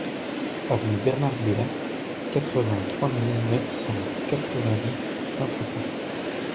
Avenue Bernard Blua, quatre-vingt-trois mille neuf cent quatre-vingt-dix Saint-Tropez